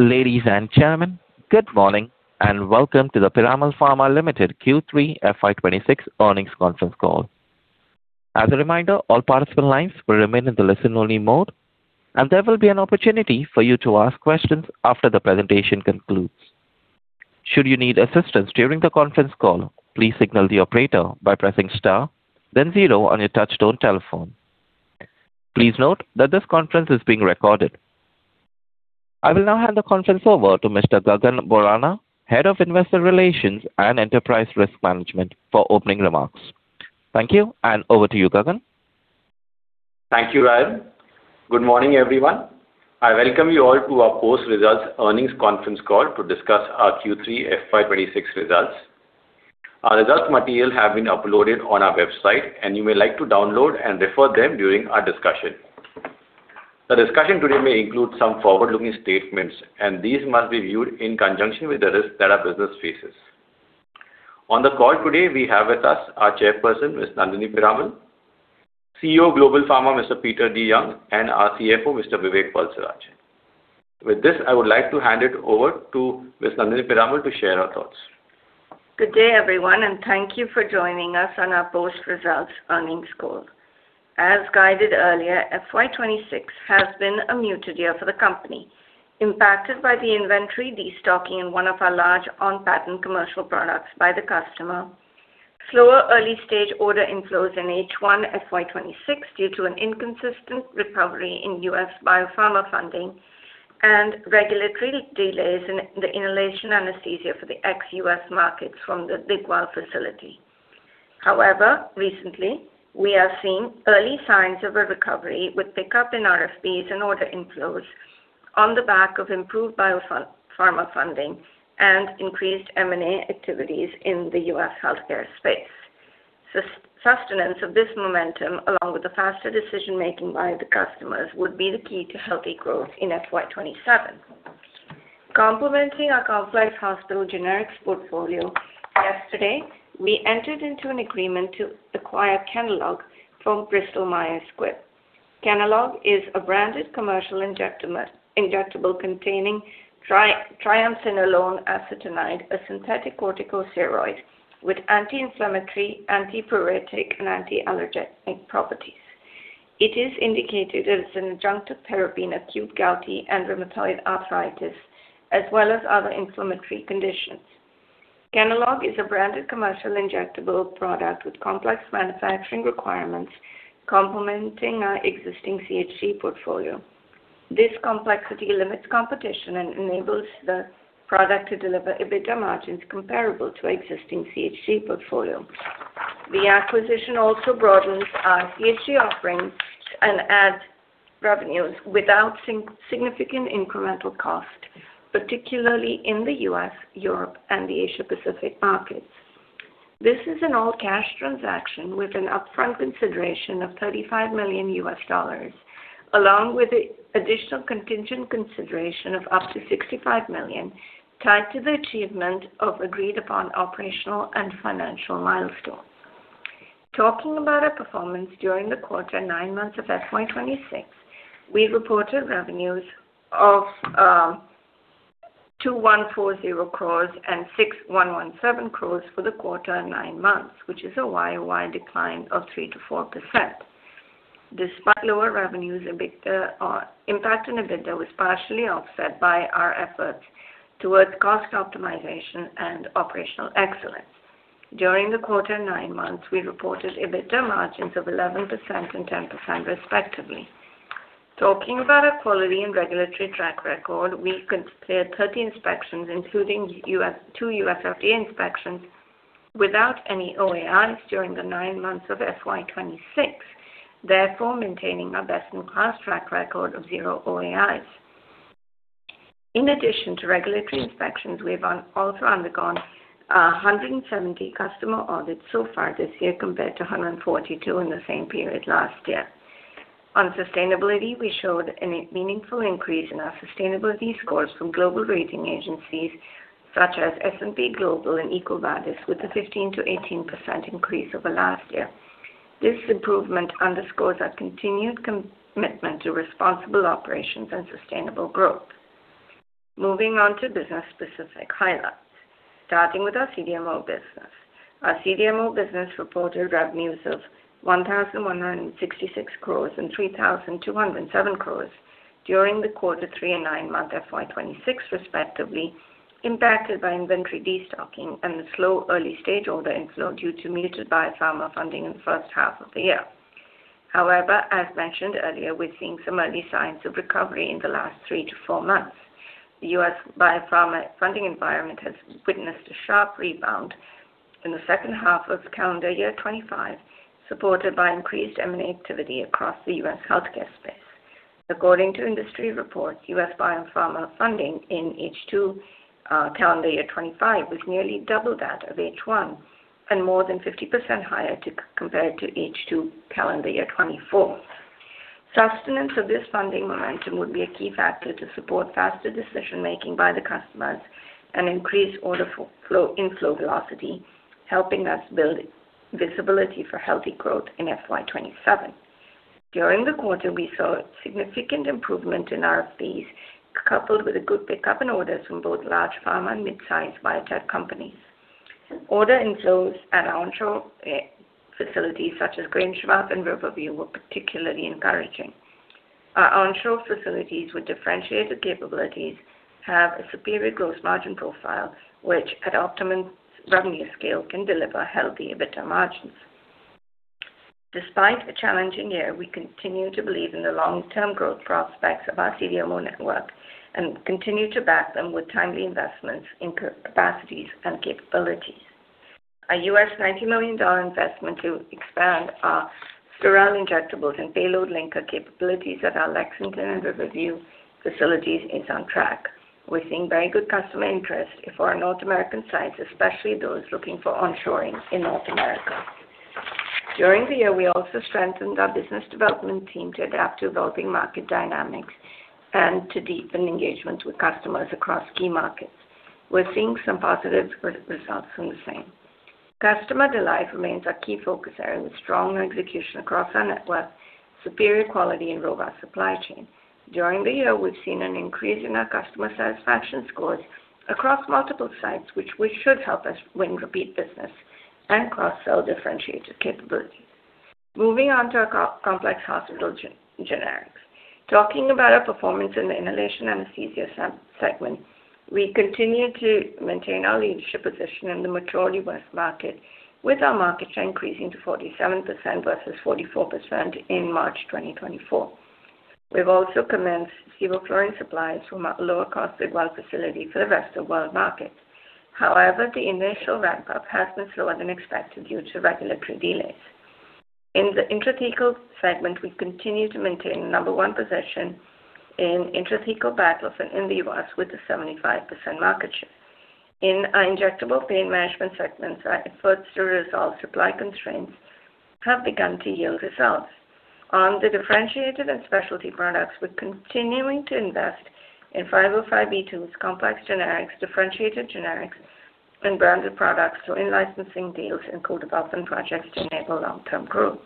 Ladies and gentlemen, good morning and welcome to the Piramal Pharma Limited Q3 FY26 earnings conference call. As a reminder, all participant lines will remain in the listen-only mode, and there will be an opportunity for you to ask questions after the presentation concludes. Should you need assistance during the conference call, please signal the operator by pressing star, then zero on your touch-tone telephone. Please note that this conference is being recorded. I will now hand the conference over to Mr. Gagan Borana, Head of Investor Relations and Enterprise Risk Management, for opening remarks. Thank you, and over to you, Gagan. Thank you, Ryan. Good morning, everyone. I welcome you all to our post-results earnings conference call to discuss our Q3 FY26 results. Our results material has been uploaded on our website, and you may like to download and refer to them during our discussion. The discussion today may include some forward-looking statements, and these must be viewed in conjunction with the risks that our business faces. On the call today, we have with us our Chairperson, Ms. Nandini Piramal, CEO of Global Pharma, Mr. Peter DeYoung, and our CFO, Mr. Vivek Valsaraj. With this, I would like to hand it over to Ms. Nandini Piramal to share her thoughts. Good day, everyone, and thank you for joining us on our post-results earnings call. As guided earlier, FY 2026 has been a tough year for the company, impacted by the inventory destocking in one of our large on-patent commercial products by the customer, slower early-stage order inflows in H1 FY 2026 due to an inconsistent recovery in US biopharma funding, and regulatory delays in the inhalation anesthesia for the ex-US markets from the Digwal facility. However, recently, we are seeing early signs of a recovery with pickup in RFPs and order inflows on the back of improved biopharma funding and increased M&A activities in the US healthcare space. Sustenance of this momentum, along with the faster decision-making by the customers, would be the key to healthy growth in FY 2027. Complementing our complex hospital generics portfolio, yesterday we entered into an agreement to acquire Kenalog from Bristol Myers Squibb. Kenalog is a branded commercial injectable containing triamcinolone acetonide, a synthetic corticosteroid with anti-inflammatory, antipyretic, and anti-allergenic properties. It is indicated as an adjunctive therapy in acute gouty and rheumatoid arthritis, as well as other inflammatory conditions. Kenalog is a branded commercial injectable product with complex manufacturing requirements complementing our existing CHG portfolio. This complexity limits competition and enables the product to deliver EBITDA margins comparable to our existing CHG portfolio. The acquisition also broadens our CHG offerings and adds revenues without significant incremental cost, particularly in the US, Europe, and the Asia-Pacific markets. This is an all-cash transaction with an upfront consideration of $35 million, along with the additional contingent consideration of up to $65 million tied to the achievement of agreed-upon operational and financial milestones. Talking about our performance during the quarter, nine months of FY26, we reported revenues of $2,140 and $6,117 for the quarter, nine months, which is a YOY decline of 3%-4%. Despite lower revenues, impact on EBITDA was partially offset by our efforts towards cost optimization and operational excellence. During the quarter, nine months, we reported EBITDA margins of 11% and 10%, respectively. Talking about our quality and regulatory track record, we completed 30 inspections, including two U.S. FDA inspections, without any OAIs during the nine months of FY26, therefore maintaining our best-in-class track record of zero OAIs. In addition to regulatory inspections, we have also undergone 170 customer audits so far this year, compared to 142 in the same period last year. On sustainability, we showed a meaningful increase in our sustainability scores from global rating agencies such as S&P Global and EcoVadis, with a 15%-18% increase over last year. This improvement underscores our continued commitment to responsible operations and sustainable growth. Moving on to business-specific highlights, starting with our CDMO business. Our CDMO business reported revenues of $1,166 and $3,207 during the quarter three and nine months of FY26, respectively, impacted by inventory destocking and the slow early-stage order inflow due to muted biopharma funding in the first half of the year. However, as mentioned earlier, we're seeing some early signs of recovery in the last three to four months. The U.S. biopharma funding environment has witnessed a sharp rebound in the second half of calendar year 2025, supported by increased M&A activity across the U.S. healthcare space. According to industry reports, U.S. biopharma funding in H2 calendar year 2025 was nearly double that of H1 and more than 50% higher compared to H2 calendar year 2024. Sustenance of this funding momentum would be a key factor to support faster decision-making by the customers and increased order inflow velocity, helping us build visibility for healthy growth in FY27. During the quarter, we saw significant improvement in RFPs, coupled with a good pickup in orders from both large pharma and mid-size biotech companies. Order inflows at onshore facilities such as Grangemouth and Riverview were particularly encouraging. Our onshore facilities, with differentiated capabilities, have a superior gross margin profile, which, at optimum revenue scale, can deliver healthy EBITDA margins. Despite a challenging year, we continue to believe in the long-term growth prospects of our CDMO network and continue to back them with timely investments in capacities and capabilities. Our $90 million investment to expand our sterile injectables and payload linker capabilities at our Lexington and Riverview facilities is on track. We're seeing very good customer interest for our North American sites, especially those looking for onshoring in North America. During the year, we also strengthened our business development team to adapt to evolving market dynamics and to deepen engagement with customers across key markets. We're seeing some positive results from the same. Customer delight remains our key focus area, with strong execution across our network, superior quality, and robust supply chain. During the year, we've seen an increase in our customer satisfaction scores across multiple sites, which should help us win repeat business and cross-sell differentiated capabilities. Moving on to our complex hospital generics. Talking about our performance in the inhalation anesthesia segment, we continue to maintain our leadership position in the mature U.S. market, with our market share increasing to 47% versus 44% in March 2024. We've also commenced sevoflurane supplies from our lower-cost Digwal facility for the rest of world markets. However, the initial ramp-up has been slower than expected due to regulatory delays. In the intrathecal segment, we continue to maintain number one position in intrathecal baclofen in the U.S. with a 75% market share. In our injectable pain management segments, our efforts to resolve supply constraints have begun to yield results. On the differentiated and specialty products, we're continuing to invest in 505(b)(2)s, complex generics, differentiated generics, and branded products through in-licensing deals and co-development projects to enable long-term growth.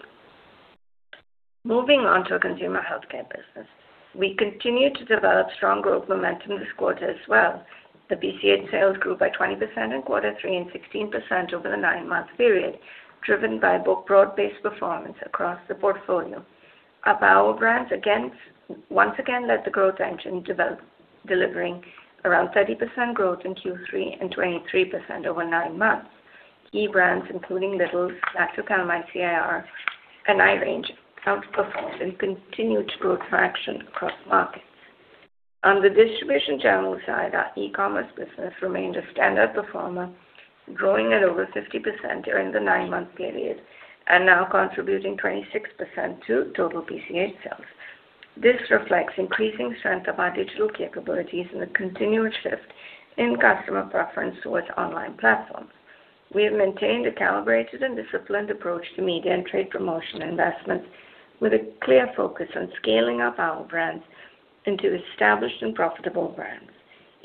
Moving on to our consumer healthcare business, we continue to develop strong growth momentum this quarter as well. The BCH sales grew by 20% in quarter three and 16% over the nine-month period, driven by broad-based performance across the portfolio. Our power brands once again led the growth engine, delivering around 30% growth in Q3 and 23% over nine months. Key brands, including Little’s, NaturCal, MyCIR, and i-range, outperformed and continued to grow traction across markets. On the distribution channel side, our e-commerce business remained a standard performer, growing at over 50% during the nine-month period and now contributing 26% to total BCH sales. This reflects increasing strength of our digital capabilities and the continued shift in customer preference towards online platforms. We have maintained a calibrated and disciplined approach to media and trade promotion investments, with a clear focus on scaling up our brands into established and profitable brands.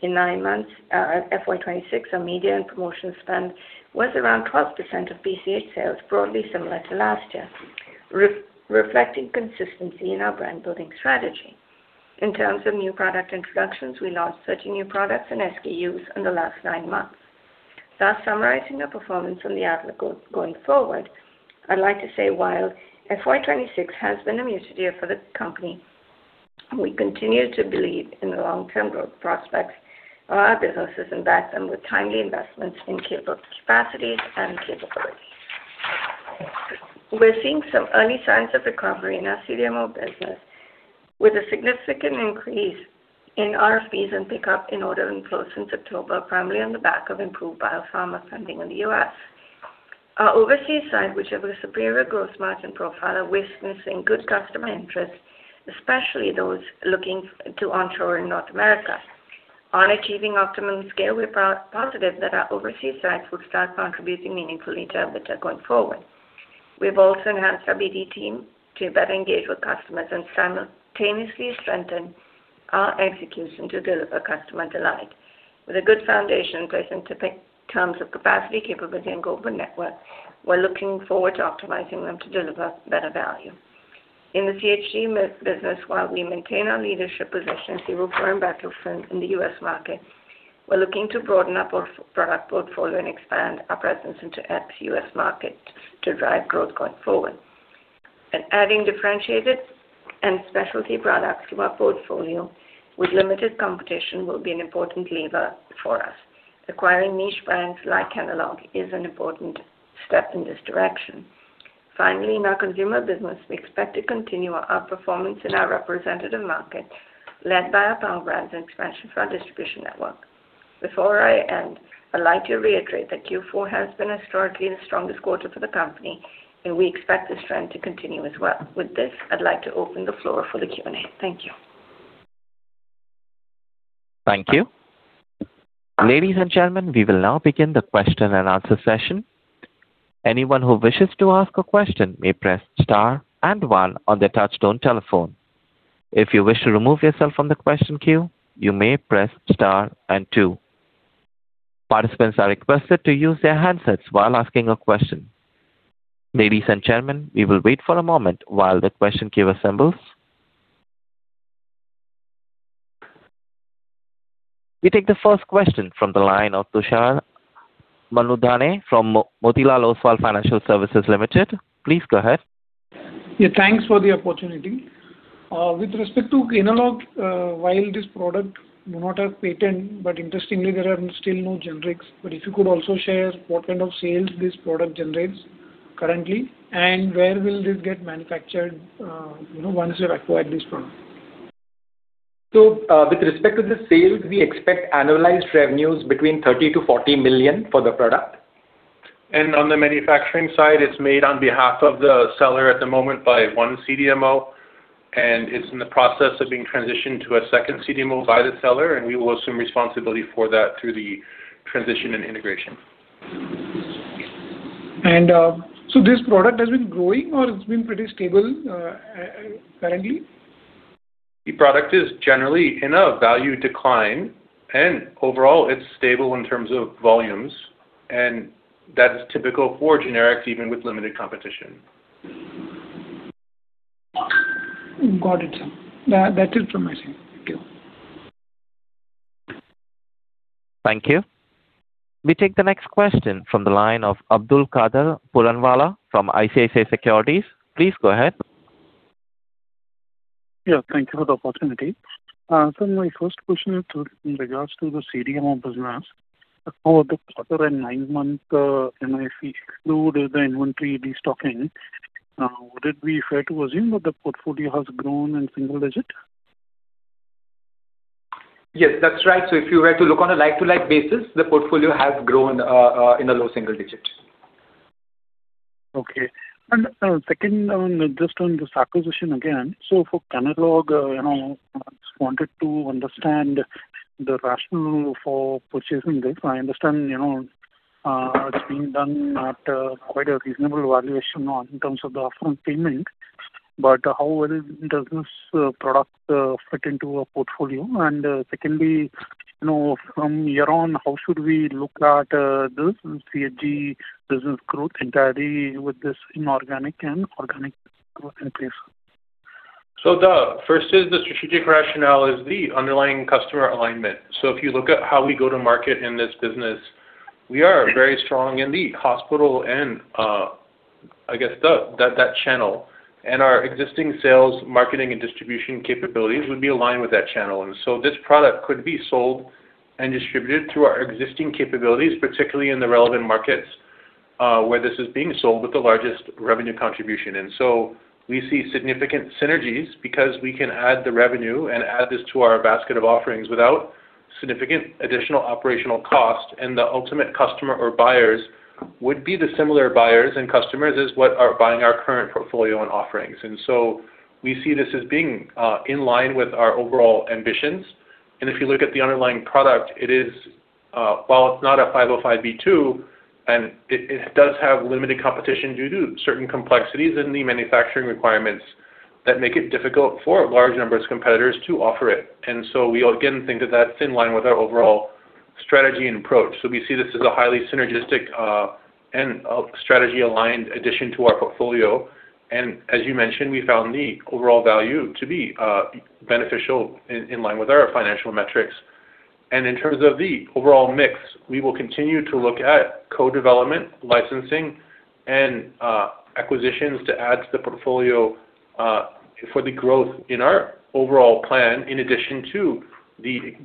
In 9 months of FY26, our media and promotion spend was around 12% of BCH sales, broadly similar to last year, reflecting consistency in our brand-building strategy. In terms of new product introductions, we launched 30 new products and SKUs in the last 9 months. Thus, summarizing our performance on the outlook going forward, I'd like to say, while FY26 has been a muted year for the company, we continue to believe in the long-term growth prospects of our businesses and back them with timely investments in capabilities and capabilities. We're seeing some early signs of recovery in our CDMO business, with a significant increase in RFPs and pickup in order inflows since October, primarily on the back of improved biopharma funding in the U.S. Our overseas site, which have a superior gross margin profile, are witnessing good customer interest, especially those looking to onshore in North America. On achieving optimum scale, we're positive that our overseas sites will start contributing meaningfully to EBITDA going forward. We've also enhanced our BD team to better engage with customers and simultaneously strengthen our execution to deliver customer delight. With a good foundation placed in terms of capacity, capability, and global network, we're looking forward to optimizing them to deliver better value. In the CHG business, while we maintain our leadership position in sevoflurane bottles in the U.S. market, we're looking to broaden up our product portfolio and expand our presence into the U.S. market to drive growth going forward. Adding differentiated and specialty products to our portfolio with limited competition will be an important lever for us. Acquiring niche brands like Kenalog is an important step in this direction. Finally, in our consumer business, we expect to continue our performance in our representative market, led by our power brands and expansion for our distribution network. Before I end, I'd like to reiterate that Q4 has been historically the strongest quarter for the company, and we expect this trend to continue as well. With this, I'd like to open the floor for the Q&A. Thank you. Thank you. Ladies and gentlemen, we will now begin the question and answer session. Anyone who wishes to ask a question may press star and one on the touch-tone telephone. If you wish to remove yourself from the question queue, you may press star and two. Participants are requested to use their handsets while asking a question. Ladies and gentlemen, we will wait for a moment while the question queue assembles. We take the first question from the line of Tushar Manudhane from Motilal Oswal Financial Services Limited. Please go ahead. Yeah, thanks for the opportunity. With respect to Kenalog, while this product does not have a patent, but interestingly, there are still no generics. But if you could also share what kind of sales this product generates currently and where will this get manufactured once you acquire this product? So, with respect to the sales, we expect annualized revenues between $30 million-$40 million for the product. And on the manufacturing side, it's made on behalf of the seller at the moment by one CDMO, and it's in the process of being transitioned to a second CDMO by the seller, and we will assume responsibility for that through the transition and integration. And so this product has been growing, or it's been pretty stable currently? The product is generally in a value decline, and overall, it's stable in terms of volumes, and that is typical for generics, even with limited competition. Got it, sir. That's it from my side. Thank you. Thank you. We take the next question from the line of Abdul Qadir Puranwala from ICICI Securities. Please go ahead. Yeah, thank you for the opportunity. Sir, my first question is in regards to the CDMO business. For the quarter and nine-month period, through the inventory destocking, would it be fair to assume that the portfolio has grown in single digit? Yes, that's right. So if you were to look on a like-for-like basis, the portfolio has grown in the low single digit. Okay. And second, just on this acquisition again, so for Kenalog, I just wanted to understand the rationale for purchasing this. I understand it's being done at quite a reasonable valuation in terms of the upfront payment, but how well does this product fit into a portfolio? And secondly, from year on, how should we look at the CHG business growth entirely with this inorganic and organic growth in place? So first is the strategic rationale is the underlying customer alignment. So if you look at how we go to market in this business, we are very strong in the hospital and, I guess, that channel. And so this product could be sold and distributed through our existing capabilities, particularly in the relevant markets where this is being sold with the largest revenue contribution. We see significant synergies because we can add the revenue and add this to our basket of offerings without significant additional operational cost. The ultimate customer or buyers would be the similar buyers and customers as those who are buying our current portfolio and offerings. We see this as being in line with our overall ambitions. If you look at the underlying product, while it's not a 505(b)(2), it does have limited competition due to certain complexities in the manufacturing requirements that make it difficult for large numbers of competitors to offer it. We again think of that in line with our overall strategy and approach. We see this as a highly synergistic and strategy-aligned addition to our portfolio. As you mentioned, we found the overall value to be beneficial in line with our financial metrics. In terms of the overall mix, we will continue to look at co-development, licensing, and acquisitions to add to the portfolio for the growth in our overall plan, in addition to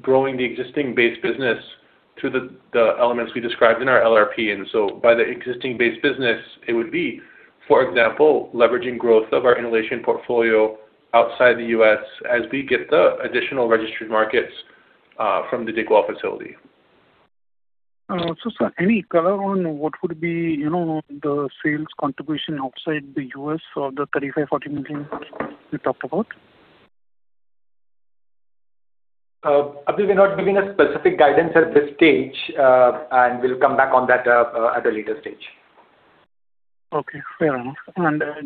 growing the existing base business through the elements we described in our LRP. And so by the existing base business, it would be, for example, leveraging growth of our inhalation portfolio outside the U.S. as we get the additional registered markets from the Digwal facility. So sir, any color on what would be the sales contribution outside the U.S. of the $35-$40 million you talked about? We're not giving a specific guidance at this stage, and we'll come back on that at a later stage. Okay. Fair enough.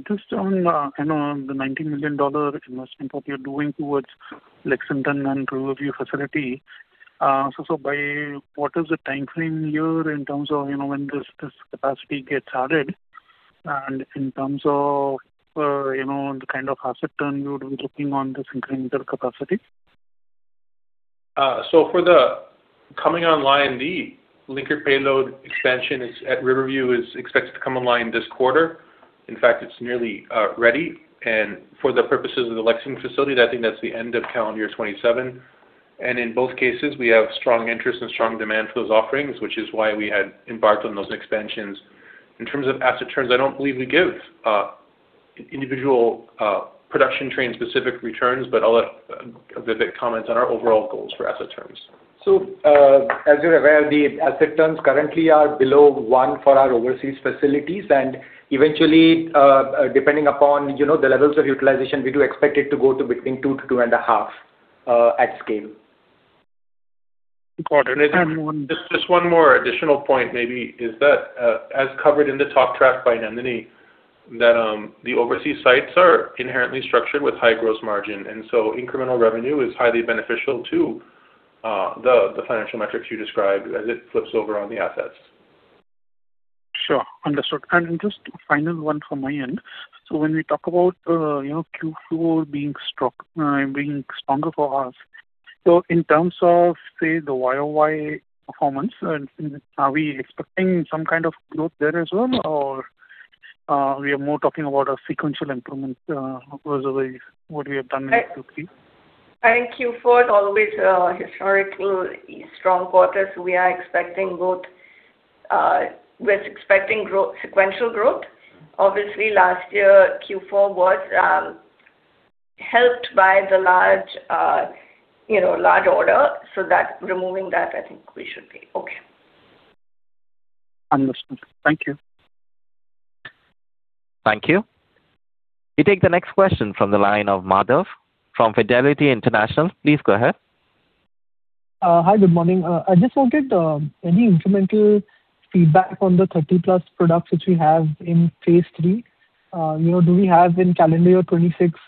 Just on the $90 million investment that you're doing towards Lexington and Riverview facility, so by what is the timeframe year in terms of when this capacity gets added? And in terms of the kind of asset turn, you would be looking on this incremental capacity? So for the coming online, the linker payload expansion at Riverview is expected to come online this quarter. In fact, it's nearly ready. And for the purposes of the Lexington facility, I think that's the end of calendar year 2027. And in both cases, we have strong interest and strong demand for those offerings, which is why we had embarked on those expansions. In terms of asset terms, I don't believe we give individual production train-specific returns, but I'll have Vivek comment on our overall goals for asset terms. So as you're aware, the asset turns currently are below 1 for our overseas facilities. And eventually, depending upon the levels of utilization, we do expect it to go to between 2-2.5 at scale. Just one more additional point, maybe, is that, as covered in the talk track by Nandini, that the overseas sites are inherently structured with high gross margin. And so incremental revenue is highly beneficial to the financial metrics you described as it flips over on the assets. Sure. Understood. And just a final one from my end. So when we talk about Q4 being stronger for us, so in terms of, say, the YOY performance, are we expecting some kind of growth there as well, or we are more talking about a sequential improvement as a way of what we have done in Q3? Thank you. For always historically strong quarters, we are expecting growth. We're expecting sequential growth. Obviously, last year, Q4 was helped by the large order. So removing that, I think we should be okay. Understood. Thank you. Thank you. We take the next question from the line of Madhav from Fidelity International. Please go ahead. Hi, good morning. I just wanted any incremental feedback on the 30+ products which we have in phase three. Do we have in calendar year 2026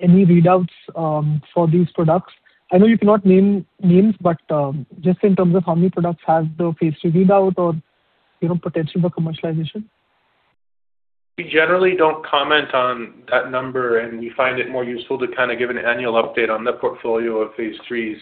any readouts for these products? I know you cannot name names, but just in terms of how many products have the phase three readout or potential for commercialization? We generally don't comment on that number, and we find it more useful to kind of give an annual update on the portfolio of phase threes.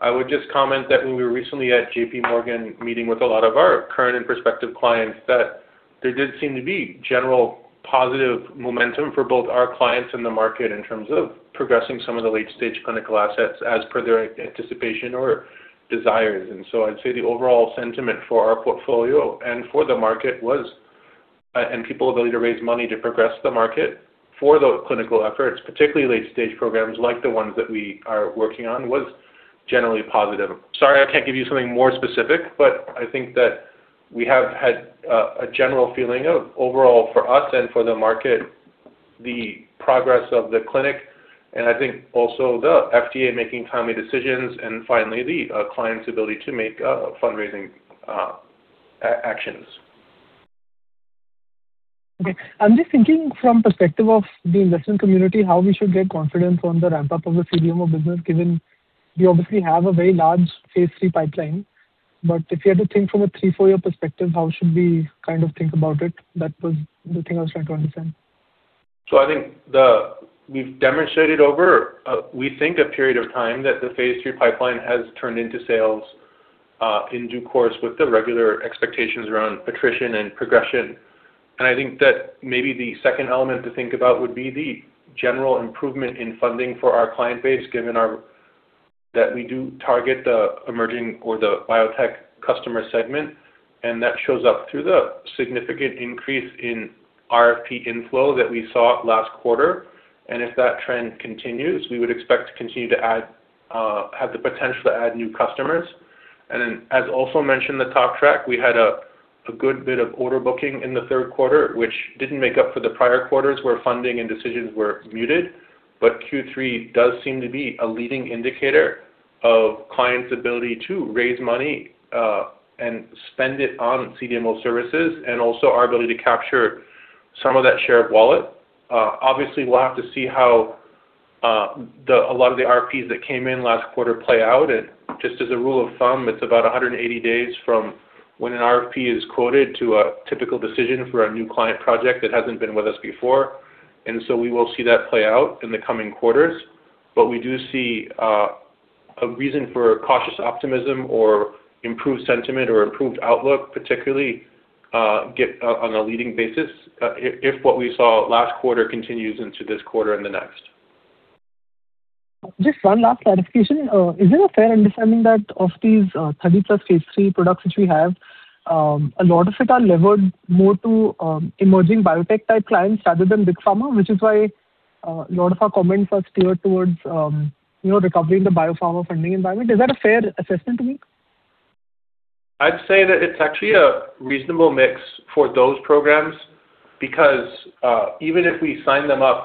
I would just comment that when we were recently at JPMorgan meeting with a lot of our current and prospective clients, that there did seem to be general positive momentum for both our clients and the market in terms of progressing some of the late-stage clinical assets as per their anticipation or desires. And so I'd say the overall sentiment for our portfolio and for the market was, and people are willing to raise money to progress the market for those clinical efforts, particularly late-stage programs like the ones that we are working on, was generally positive. Sorry, I can't give you something more specific, but I think that we have had a general feeling of overall for us and for the market, the progress of the clinic, and I think also the FDA making timely decisions, and finally, the client's ability to make fundraising actions. Okay. I'm just thinking from the perspective of the investment community, how we should get confidence on the ramp-up of the CDMO business, given we obviously have a very large phase 3 pipeline. But if you had to think from a 3-4-year perspective, how should we kind of think about it? That was the thing I was trying to understand. So I think we've demonstrated over, we think, a period of time that the phase 3 pipeline has turned into sales in due course with the regular expectations around attrition and progression. And I think that maybe the second element to think about would be the general improvement in funding for our client base, given that we do target the emerging or the biotech customer segment. And that shows up through the significant increase in RFP inflow that we saw last quarter. If that trend continues, we would expect to continue to have the potential to add new customers. As also mentioned in the talk track, we had a good bit of order booking in the third quarter, which didn't make up for the prior quarters where funding and decisions were muted. Q3 does seem to be a leading indicator of clients' ability to raise money and spend it on CDMO services and also our ability to capture some of that share of wallet. Obviously, we'll have to see how a lot of the RFPs that came in last quarter play out. Just as a rule of thumb, it's about 180 days from when an RFP is quoted to a typical decision for a new client project that hasn't been with us before. So we will see that play out in the coming quarters. But we do see a reason for cautious optimism or improved sentiment or improved outlook, particularly on a leading basis, if what we saw last quarter continues into this quarter and the next. Just one last clarification. Is it a fair understanding that of these 30+ phase 3 products which we have, a lot of it are levered more to emerging biotech-type clients rather than big pharma, which is why a lot of our comments are steered towards recovering the biopharma funding environment? Is that a fair assessment to make? I'd say that it's actually a reasonable mix for those programs because even if we sign them up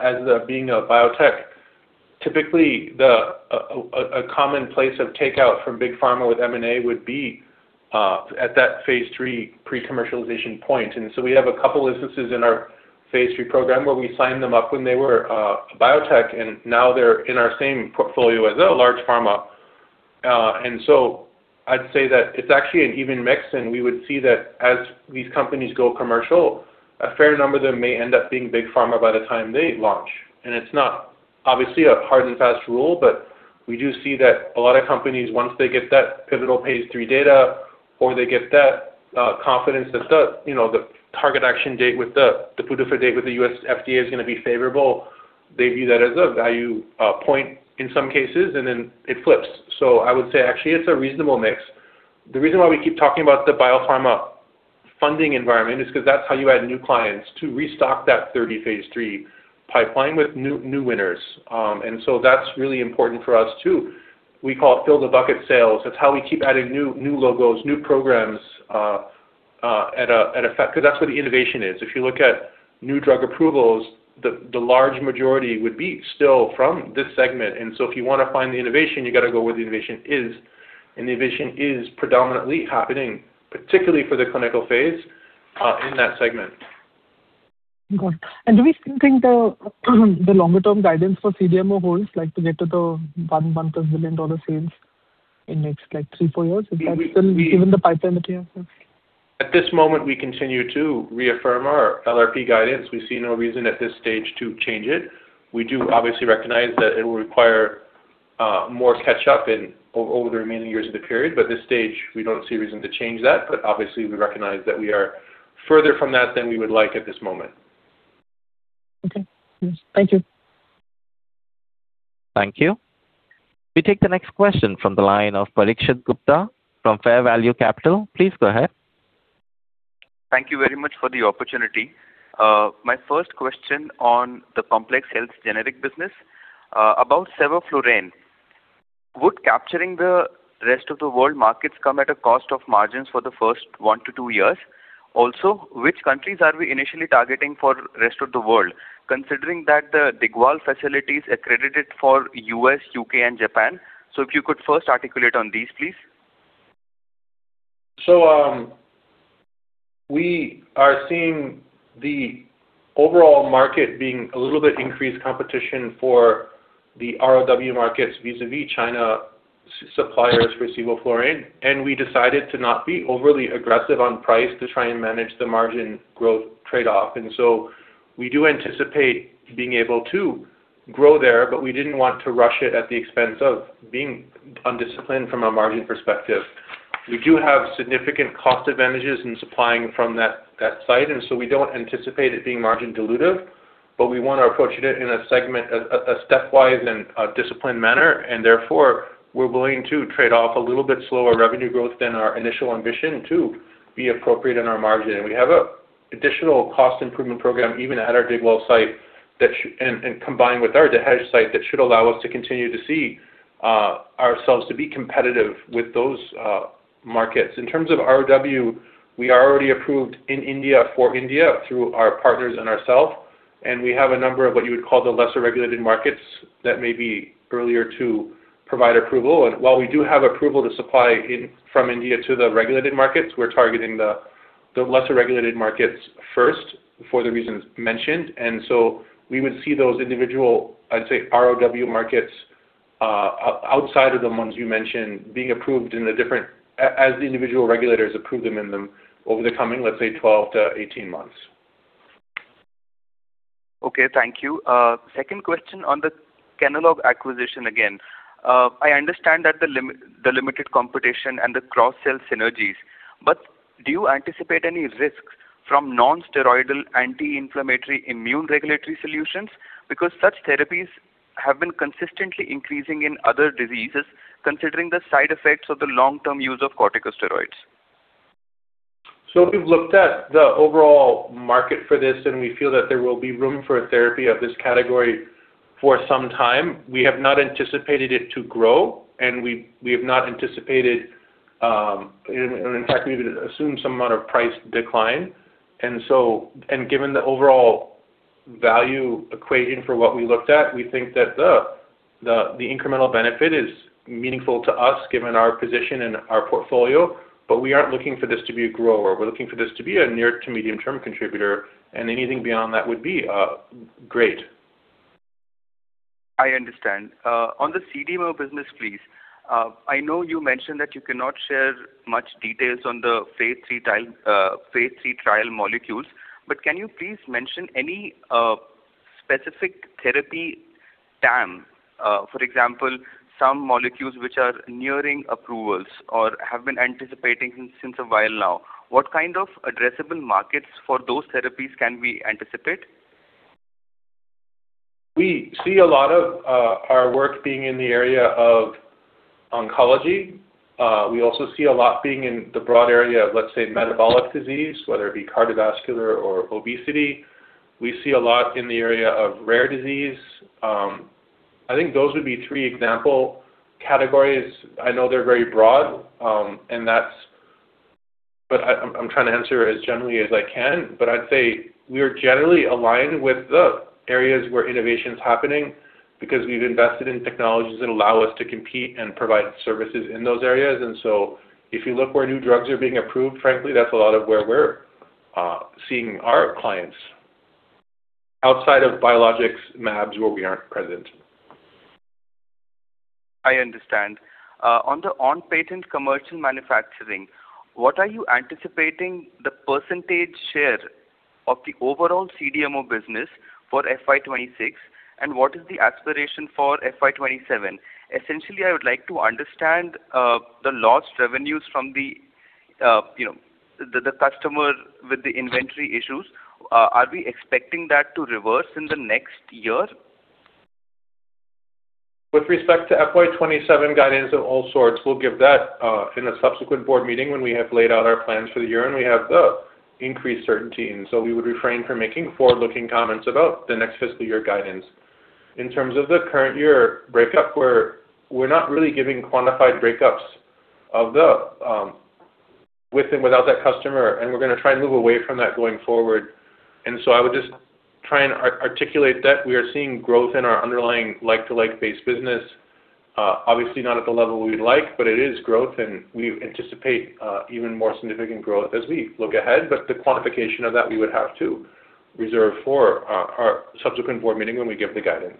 as being a biotech, typically a common place of takeout from big pharma with M&A would be at that phase 3 pre-commercialization point. And so we have a couple of instances in our phase 3 program where we signed them up when they were a biotech, and now they're in our same portfolio as a large pharma. And so I'd say that it's actually an even mix. And we would see that as these companies go commercial, a fair number of them may end up being big pharma by the time they launch. And it's not obviously a hard and fast rule, but we do see that a lot of companies, once they get that pivotal phase 3 data or they get that confidence that the target action date with the PDUFA date with the U.S. FDA is going to be favorable, they view that as a value point in some cases, and then it flips. So I would say actually it's a reasonable mix. The reason why we keep talking about the biopharma funding environment is because that's how you add new clients to restock that 30 Phase 3 pipeline with new winners. So that's really important for us too. We call it fill-the-bucket sales. That's how we keep adding new logos, new programs at a because that's where the innovation is. If you look at new drug approvals, the large majority would be still from this segment. So if you want to find the innovation, you got to go where the innovation is. The innovation is predominantly happening, particularly for the clinical phase in that segment. Okay. Do we think the longer-term guidance for CDMO holds to get to the $1+ billion sales in the next 3-4 years? Is that still given the pipeline that you have? At this moment, we continue to reaffirm our LRP guidance. We see no reason at this stage to change it. We do obviously recognize that it will require more catch-up over the remaining years of the period. At this stage, we don't see a reason to change that. Obviously, we recognize that we are further from that than we would like at this moment. Okay. Thank you. Thank you. We take the next question from the line of Parikshit Gupta from Fair Value Capital. Please go ahead. Thank you very much for the opportunity. My first question on the complex hospital generics business about Sevoflurane. Would capturing the rest of the world markets come at a cost of margins for the first 1-2 years? Also, which countries are we initially targeting for the rest of the world, considering that the Digwal facility is accredited for U.S., U.K., and Japan? So if you could first articulate on these, please. So we are seeing the overall market being a little bit increased competition for the ROW markets vis-à-vis China suppliers for sevoflurane. And we decided to not be overly aggressive on price to try and manage the margin growth trade-off. And so we do anticipate being able to grow there, but we didn't want to rush it at the expense of being undisciplined from a margin perspective. We do have significant cost advantages in supplying from that site. And so we don't anticipate it being margin-dilutive, but we want to approach it in a stepwise and disciplined manner. And therefore, we're willing to trade off a little bit slower revenue growth than our initial ambition to be appropriate in our margin. And we have an additional cost improvement program even at our DeYoung site and combined with our Dahej site that should allow us to continue to see ourselves to be competitive with those markets. In terms of ROW, we are already approved in India for India through our partners and ourselves. And we have a number of what you would call the lesser regulated markets that may be earlier to provide approval. And while we do have approval to supply from India to the regulated markets, we're targeting the lesser regulated markets first for the reasons mentioned. And so we would see those individual, I'd say, ROW markets outside of the ones you mentioned being approved as the individual regulators approve them over the coming, let's say, 12-18 months. Okay. Thank you. Second question on the Kenalog acquisition again. I understand that the limited competition and the cross-sell synergies, but do you anticipate any risks from non-steroidal anti-inflammatory immune regulatory solutions? Because such therapies have been consistently increasing in other diseases, considering the side effects of the long-term use of corticosteroids. So we've looked at the overall market for this, and we feel that there will be room for a therapy of this category for some time. We have not anticipated it to grow, and we have not anticipated, in fact, we would assume some amount of price decline. And given the overall value equation for what we looked at, we think that the incremental benefit is meaningful to us given our position and our portfolio. But we aren't looking for this to be a grower. We're looking for this to be a near-to-medium-term contributor, and anything beyond that would be great. I understand. On the CDMO business, please. I know you mentioned that you cannot share much details on the phase three trial molecules, but can you please mention any specific therapy TAM, for example, some molecules which are nearing approvals or have been anticipating since a while now? What kind of addressable markets for those therapies can we anticipate? We see a lot of our work being in the area of oncology. We also see a lot being in the broad area of, let's say, metabolic disease, whether it be cardiovascular or obesity. We see a lot in the area of rare disease. I think those would be three example categories. I know they're very broad, but I'm trying to answer as generally as I can. But I'd say we are generally aligned with the areas where innovation is happening because we've invested in technologies that allow us to compete and provide services in those areas. If you look where new drugs are being approved, frankly, that's a lot of where we're seeing our clients outside of biologics, MABs, where we aren't present. I understand. On the on-patent commercial manufacturing, what are you anticipating the percentage share of the overall CDMO business for FY26, and what is the aspiration for FY27? Essentially, I would like to understand the lost revenues from the customer with the inventory issues. Are we expecting that to reverse in the next year? With respect to FY27 guidance of all sorts, we'll give that in a subsequent board meeting when we have laid out our plans for the year and we have the increased certainty. We would refrain from making forward-looking comments about the next fiscal year guidance. In terms of the current year breakup, we're not really giving quantified breakups of the with and without that customer, and we're going to try and move away from that going forward. So I would just try and articulate that we are seeing growth in our underlying like-to-like-based business. Obviously, not at the level we'd like, but it is growth, and we anticipate even more significant growth as we look ahead. But the quantification of that we would have to reserve for our subsequent board meeting when we give the guidance.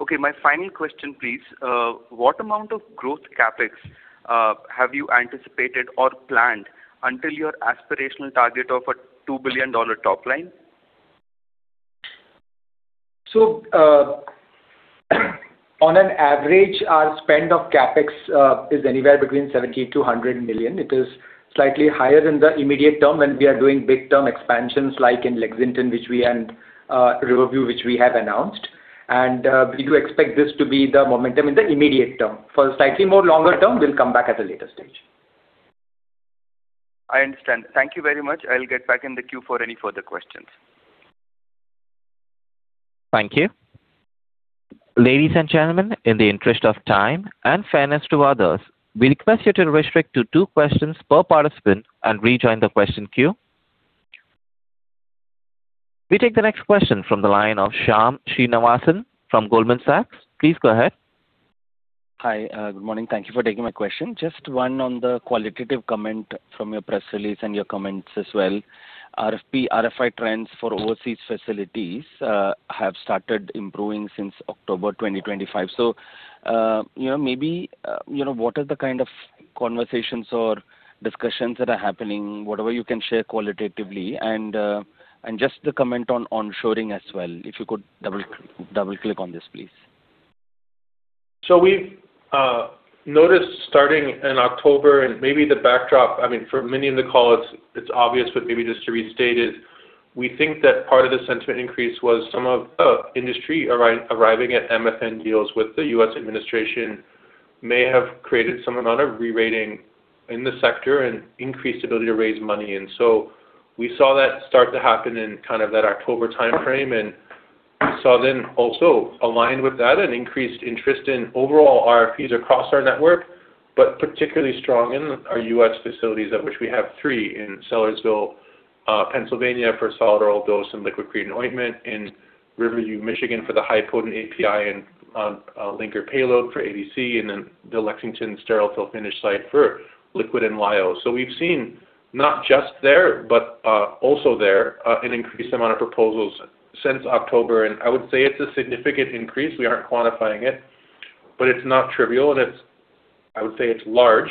Okay. My final question, please. What amount of growth CapEx have you anticipated or planned until your aspirational target of a $2 billion top line? So on an average, our spend of CapEx is anywhere between $70 million-$100 million. It is slightly higher in the immediate term when we are doing big-term expansions like in Lexington and Riverview, which we have announced. And we do expect this to be the momentum in the immediate term. For the slightly more longer term, we'll come back at a later stage. I understand. Thank you very much. I'll get back in the queue for any further questions. Thank you. Ladies and gentlemen, in the interest of time and fairness to others, we request you to restrict to two questions per participant and rejoin the question queue. We take the next question from the line of Shyam Srinivasan from Goldman Sachs. Please go ahead. Hi. Good morning. Thank you for taking my question. Just one on the qualitative comment from your press release and your comments as well. RFP RFI trends for overseas facilities have started improving since October 2025. So maybe what are the kind of conversations or discussions that are happening, whatever you can share qualitatively, and just the comment on onshoring as well. If you could double-click on this, please. So we've noticed starting in October, and maybe the backdrop, I mean, for many in the call, it's obvious, but maybe just to restate it, we think that part of the sentiment increase was some of the industry arriving at MFN deals with the U.S. administration, may have created some amount of re-rating in the sector and increased ability to raise money. And so we saw that start to happen in kind of that October time frame. We saw then also aligned with that an increased interest in overall RFPs across our network, but particularly strong in our U.S. facilities at which we have three in Sellersville, Pennsylvania, for solid oral dose and liquid cream ointment, in Riverview, Michigan, for the high-potency API and linker payload for ADC, and then the Lexington sterile fill-finish site for liquid and LIO. We've seen not just there, but also there an increased amount of proposals since October. I would say it's a significant increase. We aren't quantifying it, but it's not trivial. I would say it's large.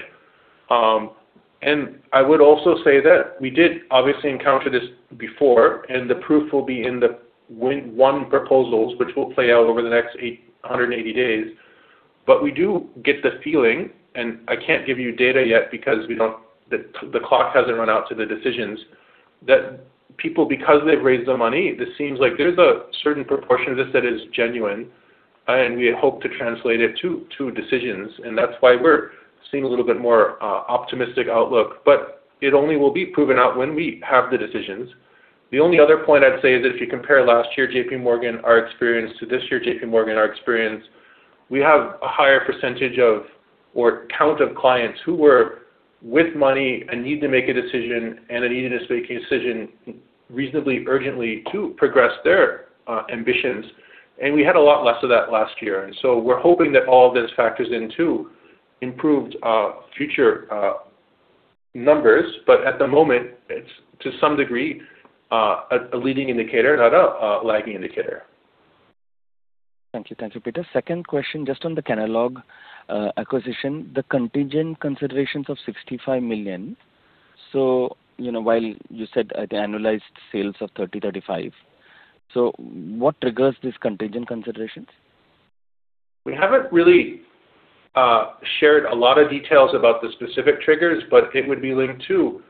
I would also say that we did obviously encounter this before, and the proof will be in the won proposals, which will play out over the next 180 days. But we do get the feeling, and I can't give you data yet because the clock hasn't run out to the decisions, that people, because they've raised the money, this seems like there's a certain proportion of this that is genuine, and we hope to translate it to decisions. And that's why we're seeing a little bit more optimistic outlook, but it only will be proven out when we have the decisions. The only other point I'd say is that if you compare last year J.P. Morgan, our experience, to this year J.P. Morgan, our experience, we have a higher percentage of or count of clients who were with money and need to make a decision and a needed to make a decision reasonably urgently to progress their ambitions. And we had a lot less of that last year. And so we're hoping that all of those factors into improved future numbers. But at the moment, it's to some degree a leading indicator, not a lagging indicator. Thank you. Thank you, Peter. Second question, just on the Kenalog acquisition, the contingent considerations of $65 million. So while you said the annualized sales of $30 million-$35 million, so what triggers these contingent considerations? We haven't really shared a lot of details about the specific triggers, but it would be linked to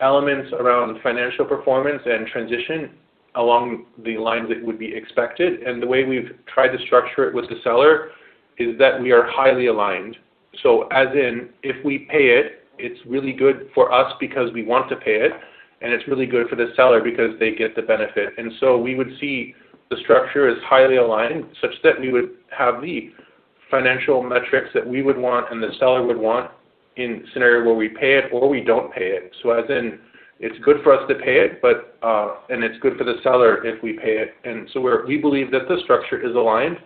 elements around financial performance and transition along the lines that would be expected. And the way we've tried to structure it with the seller is that we are highly aligned. So as in, if we pay it, it's really good for us because we want to pay it, and it's really good for the seller because they get the benefit. And so we would see the structure is highly aligned such that we would have the financial metrics that we would want and the seller would want in scenario where we pay it or we don't pay it. So as in, it's good for us to pay it, and it's good for the seller if we pay it. And so we believe that the structure is aligned,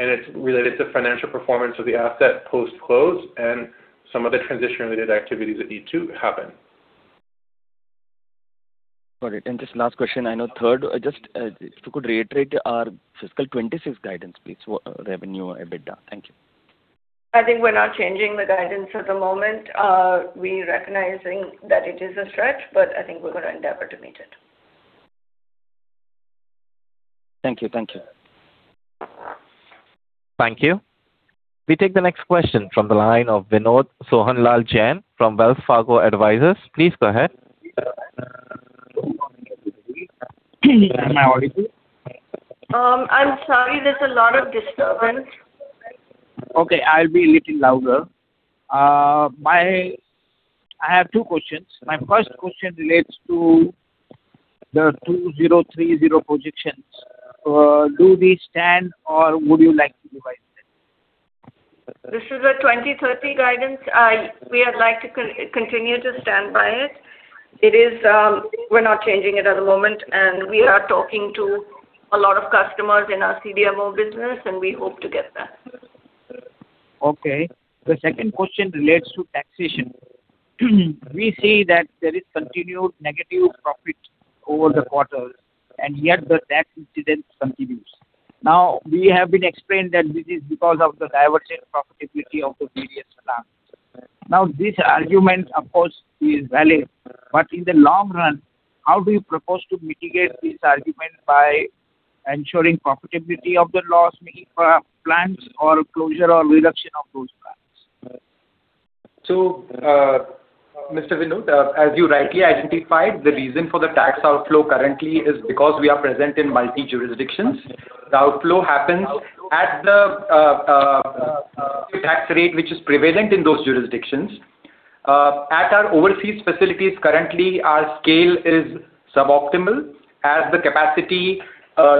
and it's related to financial performance of the asset post-close and some of the transition-related activities that need to happen. Got it. And just last question, I know third, just if you could reiterate our fiscal 2026 guidance, please. Revenue, EBITDA. Thank you. I think we're not changing the guidance at the moment. We recognize that it is a stretch, but I think we're going to endeavor to meet it. Thank you. Thank you. Thank you. We take the next question from the line of Vinod Sohanlal Chen from Wells Fargo Advisors. Please go ahead. I'm sorry. There's a lot of disturbance. Okay. I'll be a little louder. I have two questions. My first question relates to the 2030 projections. Do they stand, or would you like to revise it? This is a 2030 guidance. We would like to continue to stand by it. We're not changing it at the moment, and we are talking to a lot of customers in our CDMO business, and we hope to get that. Okay. The second question relates to taxation. We see that there is continued negative profit over the quarters, and yet the tax incidence continues. Now, we have been explained that this is because of the divergent profitability of the various plants. Now, this argument, of course, is valid, but in the long run, how do you propose to mitigate this argument by ensuring profitability of the loss plan or closure or reduction of those plans? So, Mr. Vinod, as you rightly identified, the reason for the tax outflow currently is because we are present in multi-jurisdictions. The outflow happens at the tax rate, which is prevalent in those jurisdictions. At our overseas facilities, currently, our scale is suboptimal. As the capacity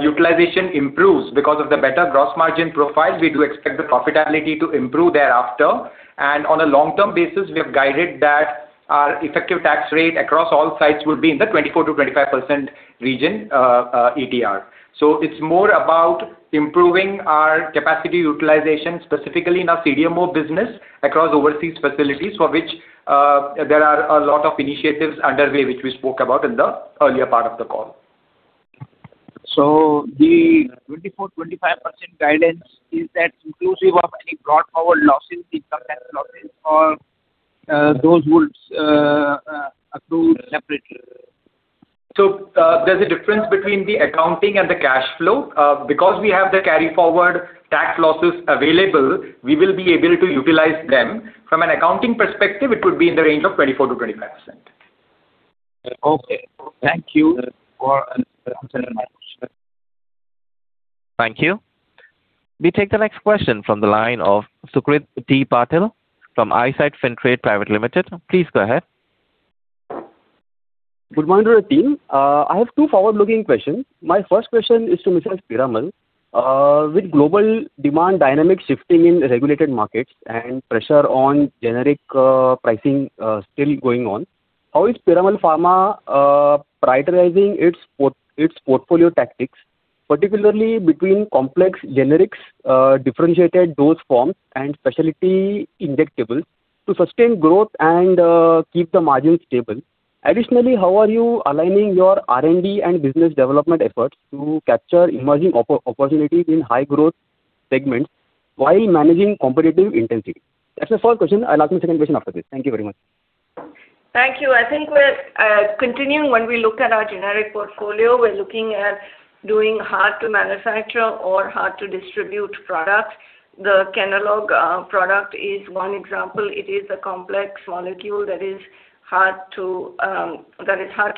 utilization improves because of the better gross margin profile, we do expect the profitability to improve thereafter. On a long-term basis, we have guided that our effective tax rate across all sites will be in the 24%-25% region ETR. So it's more about improving our capacity utilization, specifically in our CDMO business across overseas facilities, for which there are a lot of initiatives underway, which we spoke about in the earlier part of the call. So the 24%-25% guidance is that inclusive of any broad power losses, income tax losses, or those would accrue separately? So there's a difference between the accounting and the cash flow. Because we have the carry-forward tax losses available, we will be able to utilize them. From an accounting perspective, it would be in the range of 24%-25%. Okay. Thank you for answering my question. Thank you. We take the next question from the line of Sucrit T. Patil from Eyesight Fintrade Private Limited. Please go ahead. Good morning, Peter. I have two forward-looking questions. My first question is to Mrs. Piramal. With global demand dynamic shifting in regulated markets and pressure on generic pricing still going on, how is Piramal Pharma prioritizing its portfolio tactics, particularly between complex generics, differentiated dosage forms, and specialty injectables to sustain growth and keep the margin stable? Additionally, how are you aligning your R&D and business development efforts to capture emerging opportunities in high-growth segments while managing competitive intensity? That's the first question. I'll ask the second question after this. Thank you very much. Thank you. I think we're continuing. When we look at our generic portfolio, we're looking at doing hard-to-manufacture or hard-to-distribute products. The Kenalog product is one example. It is a complex molecule that is hard to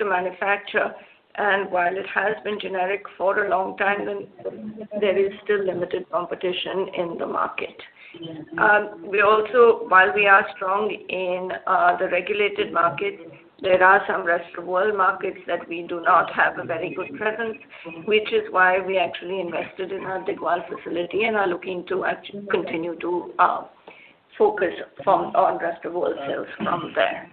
manufacture. And while it has been generic for a long time, there is still limited competition in the market. While we are strong in the regulated markets, there are some rest of world markets that we do not have a very good presence, which is why we actually invested in our Digwal facility and are looking to continue to focus on rest of world sales from there.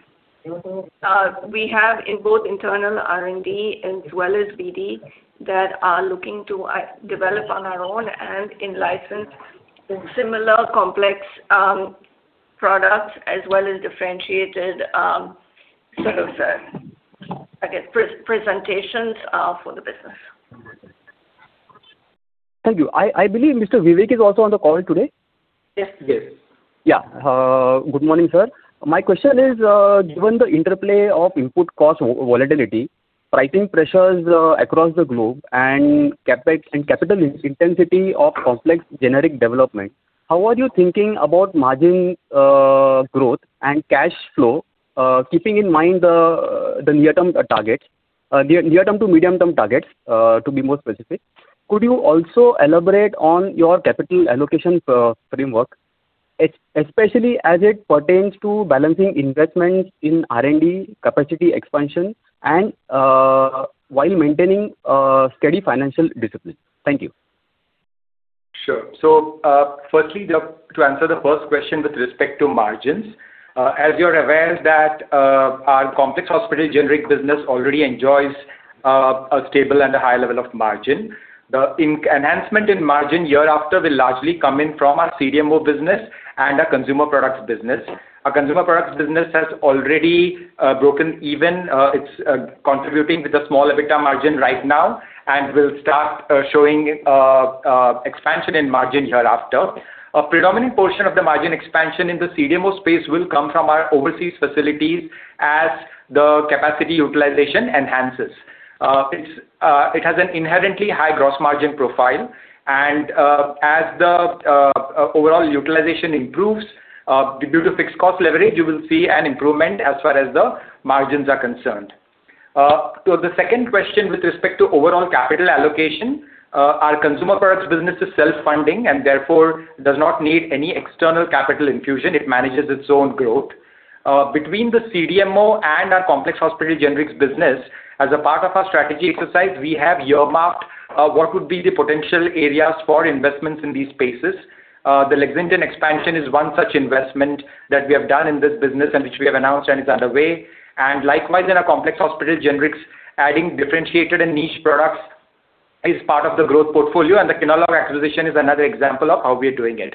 We have both internal R&D as well as BD that are looking to develop on our own and in license similar complex products as well as differentiated presentations for the business. Thank you. I believe Mr. Vivek is also on the call today? Yes. Yes. Yeah. Good morning, sir. My question is, given the interplay of input cost volatility, pricing pressures across the globe, and capital intensity of complex generic development, how are you thinking about margin growth and cash flow, keeping in mind the near-term targets, near-term to medium-term targets, to be more specific? Could you also elaborate on your capital allocation framework, especially as it pertains to balancing investments in R&D capacity expansion while maintaining steady financial discipline? Thank you. Sure. So firstly, to answer the first question with respect to margins, as you're aware that our complex hospital generic business already enjoys a stable and a high level of margin, the enhancement in margin year after will largely come in from our CDMO business and our consumer products business. Our consumer products business has already broken even. It's contributing with a small EBITDA margin right now and will start showing expansion in margin year after. A predominant portion of the margin expansion in the CDMO space will come from our overseas facilities as the capacity utilization enhances. It has an inherently high gross margin profile. As the overall utilization improves, due to fixed cost leverage, you will see an improvement as far as the margins are concerned. The second question with respect to overall capital allocation, our consumer products business is self-funding and therefore does not need any external capital infusion. It manages its own growth. Between the CDMO and our complex hospital generics business, as a part of our strategy exercise, we have earmarked what would be the potential areas for investments in these spaces. The Lexington expansion is one such investment that we have done in this business and which we have announced and is underway. And likewise, in our complex hospital generics, adding differentiated and niche products is part of the growth portfolio. The Kenalog acquisition is another example of how we are doing it.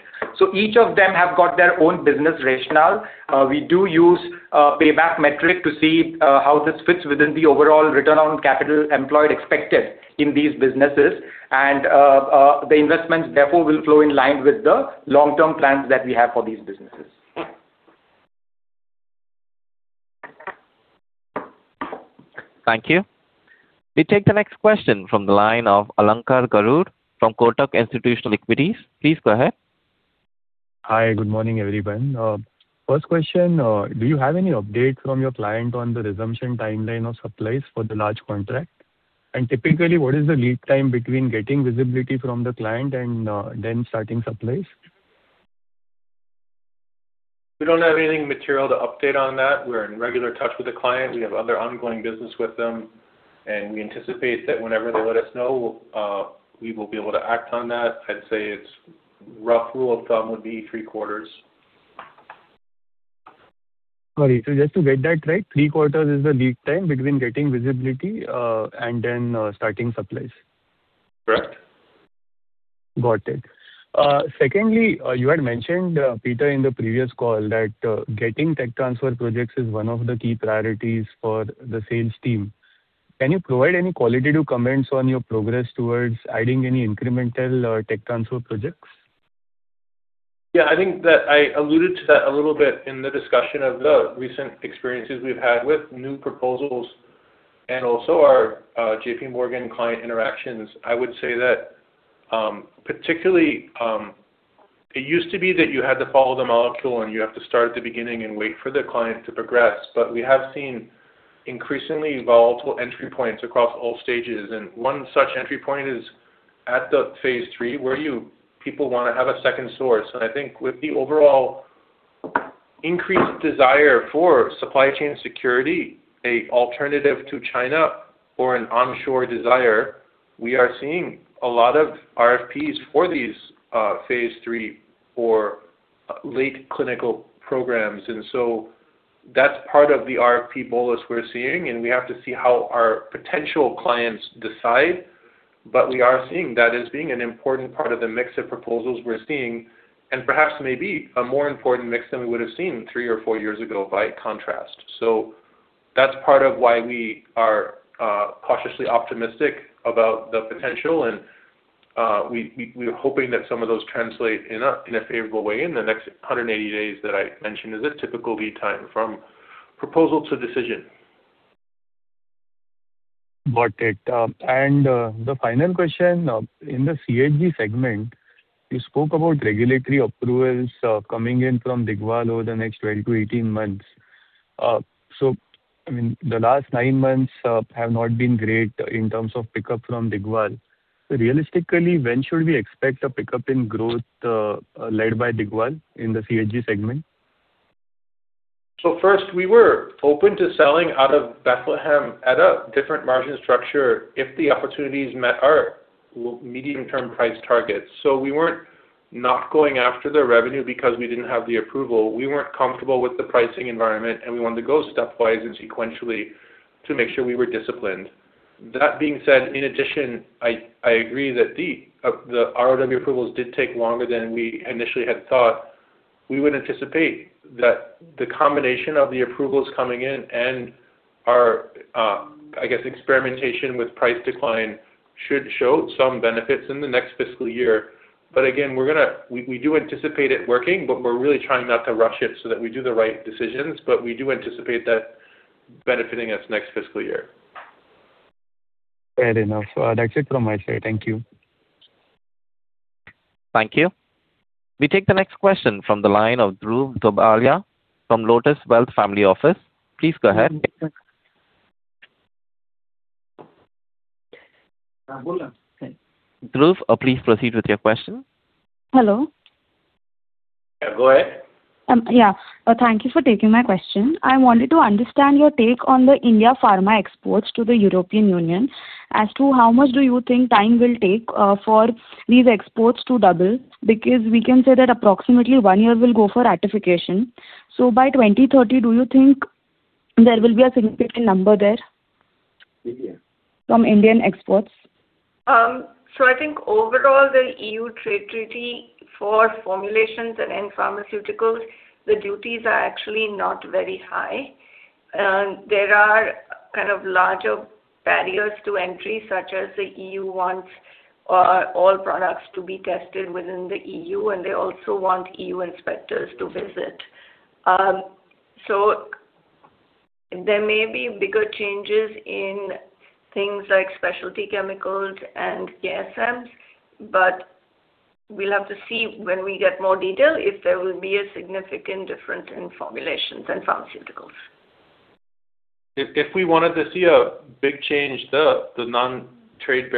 Each of them have got their own business rationale. We do use a payback metric to see how this fits within the overall return on capital employed expected in these businesses. And the investments, therefore, will flow in line with the long-term plans that we have for these businesses. Thank you. We take the next question from the line of Alankar Garude from Kotak Institutional Equities. Please go ahead. Hi. Good morning, everyone. First question, do you have any update from your client on the resumption timeline of supplies for the large contract? And typically, what is the lead time between getting visibility from the client and then starting supplies? We don't have anything material to update on that. We're in regular touch with the client. We have other ongoing business with them. And we anticipate that whenever they let us know, we will be able to act on that. I'd say it's a rough rule of thumb would be three quarters. Got it. So just to get that right, three quarters is the lead time between getting visibility and then starting supplies? Correct. Got it. Secondly, you had mentioned, Peter, in the previous call that getting tech transfer projects is one of the key priorities for the sales team. Can you provide any qualitative comments on your progress towards adding any incremental tech transfer projects? Yeah. I think that I alluded to that a little bit in the discussion of the recent experiences we've had with new proposals and also our JPMorgan client interactions. I would say that particularly, it used to be that you had to follow the molecule and you have to start at the beginning and wait for the client to progress. But we have seen increasingly volatile entry points across all stages. One such entry point is at the phase 3 where people want to have a second source. I think with the overall increased desire for supply chain security, an alternative to China, or an onshore desire, we are seeing a lot of RFPs for these phase 3 or late clinical programs. That's part of the RFP bolus we're seeing. We have to see how our potential clients decide. We are seeing that as being an important part of the mix of proposals we're seeing and perhaps maybe a more important mix than we would have seen 3 or 4 years ago by contrast. That's part of why we are cautiously optimistic about the potential. We're hoping that some of those translate in a favorable way in the next 180 days that I mentioned as a typical lead time from proposal to decision. Got it. And the final question, in the CHG segment, you spoke about regulatory approvals coming in from Digwal over the next 12-18 months. So I mean, the last nine months have not been great in terms of pickup from Digwal. Realistically, when should we expect a pickup in growth led by Digwal in the CHG segment? So first, we were open to selling out of Bethlehem at a different margin structure if the opportunities met our medium-term price targets. So we weren't not going after the revenue because we didn't have the approval. We weren't comfortable with the pricing environment, and we wanted to go stepwise and sequentially to make sure we were disciplined. That being said, in addition, I agree that the ROW approvals did take longer than we initially had thought. We would anticipate that the combination of the approvals coming in and our, I guess, experimentation with price decline should show some benefits in the next fiscal year. But again, we do anticipate it working, but we're really trying not to rush it so that we do the right decisions. But we do anticipate that benefiting us next fiscal year. Fair enough. That's it from my side. Thank you. Thank you. We take the next question from the line of Dhruv Dobaliya from Lotus Wealth. Please go ahead. Dhruv, please proceed with your question. Hello. Yeah. Go ahead. Yeah. Thank you for taking my question. I wanted to understand your take on the India pharma exports to the European Union as to how much do you think time will take for these exports to double? Because we can say that approximately one year will go for ratification. So by 2030, do you think there will be a significant number there from Indian exports? So I think overall, the EU trade treaty for formulations and pharmaceuticals, the duties are actually not very high. There are kind of larger barriers to entry, such as the EU wants all products to be tested within the EU, and they also want EU inspectors to visit. So there may be bigger changes in things like specialty chemicals and GSMs, but we'll have to see when we get more detail if there will be a significant difference in formulations and pharmaceuticals. If we wanted to see a big change, the non-trade tariff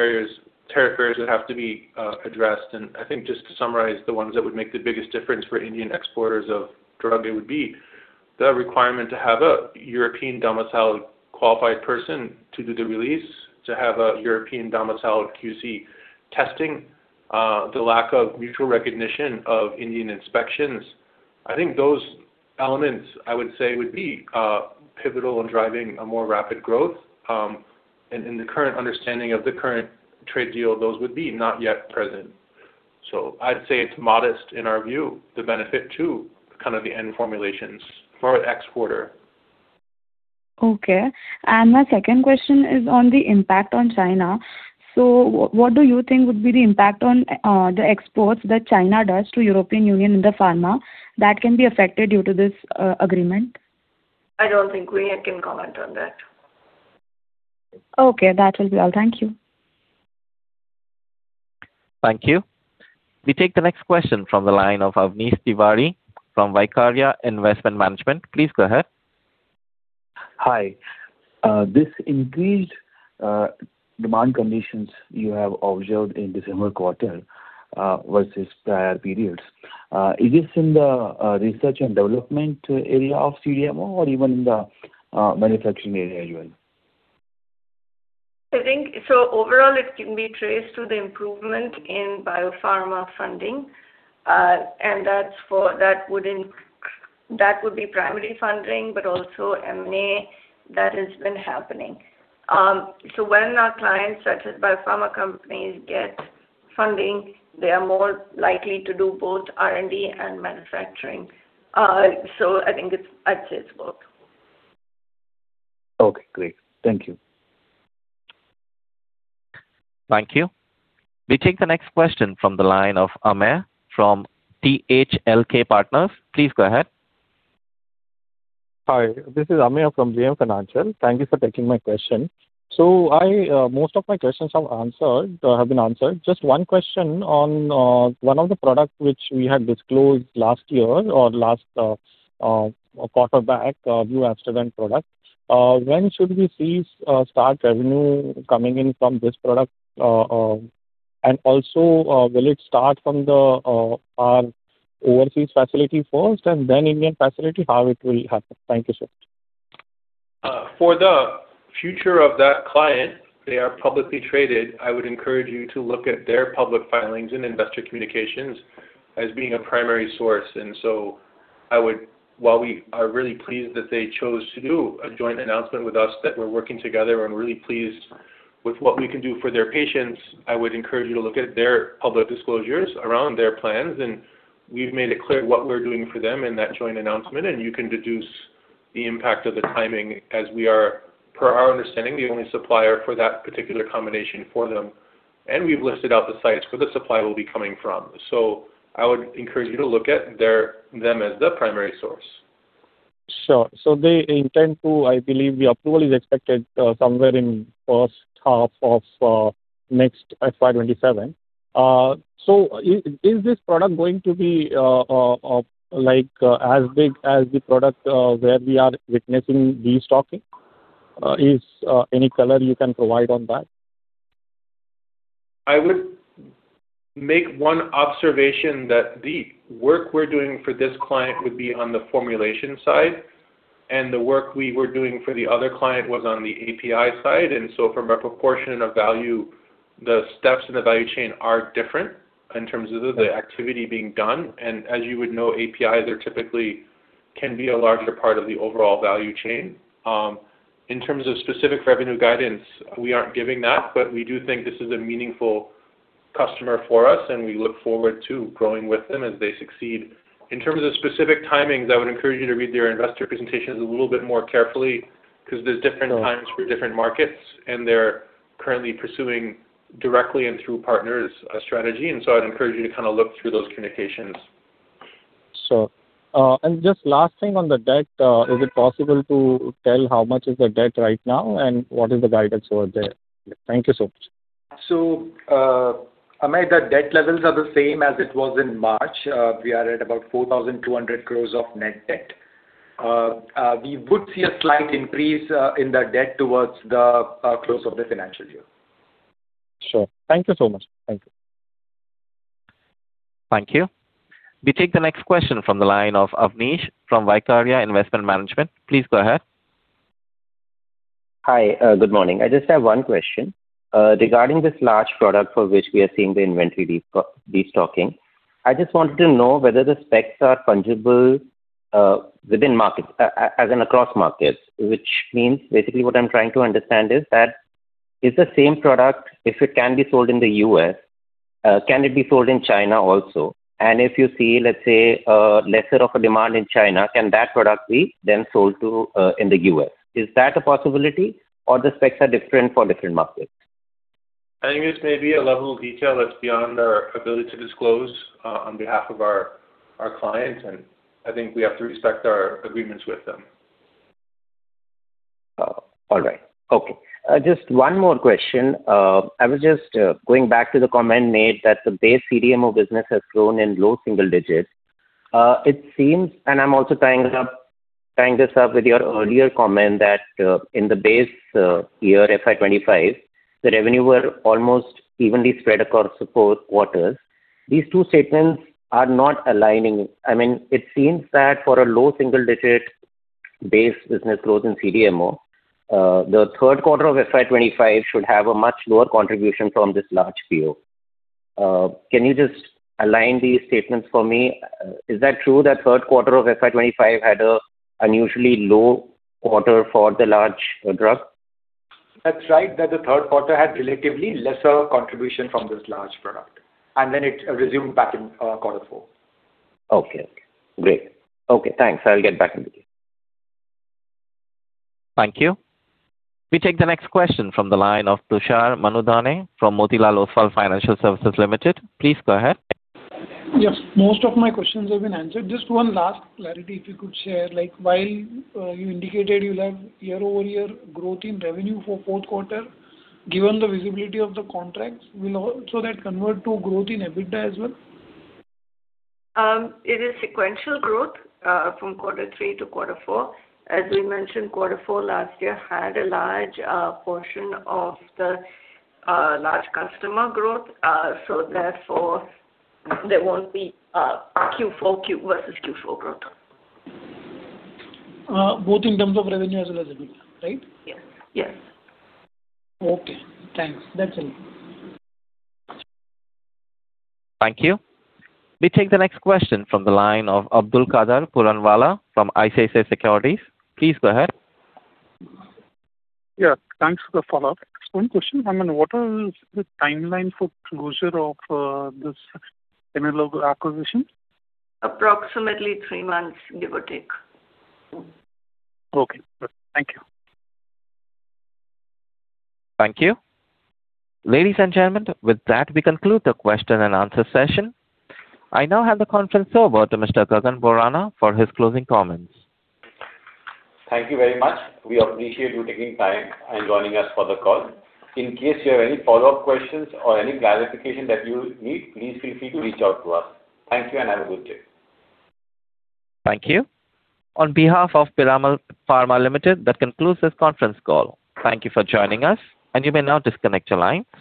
barriers would have to be addressed. And I think just to summarize the ones that would make the biggest difference for Indian exporters of drug, it would be the requirement to have a European domiciled qualified person to do the release, to have a European domiciled QC testing, the lack of mutual recognition of Indian inspections. I think those elements, I would say, would be pivotal in driving a more rapid growth. And in the current understanding of the current trade deal, those would be not yet present. So I'd say it's modest in our view, the benefit to kind of the end formulations for an exporter. Okay. And my second question is on the impact on China. So what do you think would be the impact on the exports that China does to the European Union in the pharma that can be affected due to this agreement? I don't think we can comment on that. Okay. That will be all. Thank you. Thank you. We take the next question from the line of Avanish Tiwari from Vaikarya Investment Management. Please go ahead. Hi. This increased demand conditions you have observed in December quarter versus prior periods, is this in the research and development area of CDMO or even in the manufacturing area as well? So overall, it can be traced to the improvement in biopharma funding. And that would be primary funding, but also M&A that has been happening. So when our clients, such as biopharma companies, get funding, they are more likely to do both R&D and manufacturing. So I think it's at stage both. Okay. Great. Thank you. Thank you. We take the next question from the line of Amit from THLK Partners. Please go ahead. Hi. This is Amit from JM Financial. Thank you for taking my question. So most of my questions have been answered. Just one question on one of the products which we had disclosed last year or last quarter back, NewAmsterdam product. When should we see start revenue coming in from this product? And also, will it start from our overseas facility first and then Indian facility? How it will happen? Thank you, sir. For the future of that client, they are publicly traded. I would encourage you to look at their public filings and investor communications as being a primary source. And so while we are really pleased that they chose to do a joint announcement with us that we're working together and really pleased with what we can do for their patients, I would encourage you to look at their public disclosures around their plans. And we've made it clear what we're doing for them in that joint announcement. You can deduce the impact of the timing as we are, per our understanding, the only supplier for that particular combination for them. We've listed out the sites where the supply will be coming from. I would encourage you to look at them as the primary source. Sure. So they intend to, I believe the approval is expected somewhere in the first half of next FY27. So is this product going to be as big as the product where we are witnessing restocking? Any color you can provide on that? I would make one observation that the work we're doing for this client would be on the formulation side. The work we were doing for the other client was on the API side. From a proportion of value, the steps in the value chain are different in terms of the activity being done. And as you would know, APIs are typically can be a larger part of the overall value chain. In terms of specific revenue guidance, we aren't giving that. But we do think this is a meaningful customer for us. And we look forward to growing with them as they succeed. In terms of specific timings, I would encourage you to read their investor presentations a little bit more carefully because there's different times for different markets. And they're currently pursuing directly and through partners a strategy. And so I'd encourage you to kind of look through those communications. Sure. And just last thing on the debt, is it possible to tell how much is the debt right now and what is the guidance over there? Thank you so much. So Amir, the debt levels are the same as it was in March. We are at about 4,200 crores of net debt. We would see a slight increase in the debt towards the close of the financial year. Sure. Thank you so much. Thank you. Thank you. We take the next question from the line of Avanish from Vaikarya Investment Management. Please go ahead. Hi. Good morning. I just have one question regarding this large product for which we are seeing the inventory restocking. I just wanted to know whether the specs are fungible within markets as in across markets, which means basically what I'm trying to understand is that is the same product, if it can be sold in the U.S., can it be sold in China also? And if you see, let's say, lesser of a demand in China, can that product be then sold in the U.S.? Is that a possibility or the specs are different for different markets? I think it's maybe a level of detail that's beyond our ability to disclose on behalf of our client. And I think we have to respect our agreements with them. All right. Okay. Just one more question. I was just going back to the comment made that the base CDMO business has grown in low single digits. It seems, and I'm also tying this up with your earlier comment that in the base year, FY25, the revenue were almost evenly spread across the four quarters. These two statements are not aligning. I mean, it seems that for a low single-digit base business growth in CDMO, the third quarter of FY25 should have a much lower contribution from this large PO. Can you just align these statements for me? Is that true that third quarter of FY25 had an unusually low quarter for the large drug? That's right. That the third quarter had relatively lesser contribution from this large product. And then it resumed back in quarter four. Okay. Great. Okay. Thanks. I'll get back to you. Thank you. We take the next question from the line of Tushar Manudhane from Motilal Oswal Financial Services Limited. Please go ahead. Yes. Most of my questions have been answered. Just one last clarity if you could share. While you indicated you'll have year-over-year growth in revenue for fourth quarter, given the visibility of the contracts, will also that convert to growth in EBITDA as well? It is sequential growth from quarter three to quarter four. As we mentioned, quarter four last year had a large portion of the large customer growth. So therefore, there won't be Q4 versus Q4 growth. Both in terms of revenue as well as EBITDA, right? Yes. Yes. Okay. Thanks. That's it. Thank you. We take the next question from the line of Abdul Qadir Puranwala from ICICI Securities. Please go ahead. Yeah. Thanks for the follow-up. One question. I mean, what is the timeline for closure of this similar acquisition? Approximately three months, give or take. Okay. Thank you. Thank you. Ladies and gentlemen, with that, we conclude the question and answer session. I now hand the conference over to Mr. Gagan Borana for his closing comments. Thank you very much. We appreciate you taking time and joining us for the call. In case you have any follow-up questions or any clarification that you need, please feel free to reach out to us. Thank you and have a good day. Thank you. On behalf of Piramal Pharma Limited, that concludes this conference call. Thank you for joining us. You may now disconnect your line.